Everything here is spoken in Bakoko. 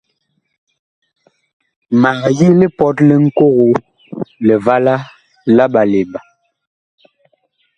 Mag yi lipɔt li Ŋkogo, Livala la Ɓalemba.